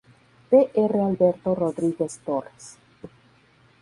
Dr. Alberto Rodríguez Torres.